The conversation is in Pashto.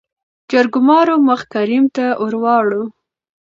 جرګمارو مخ کريم ته ورواړو .